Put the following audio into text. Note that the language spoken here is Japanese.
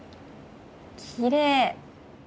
きれい。